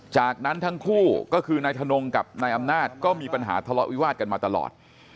จากนั้นทั้งคู่ก็คือนายทนงกับนายอำนาจก็มีปัญหาทะเลาะวิวาดกันมาตลอด